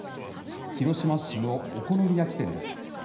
広島市のお好み焼き店です。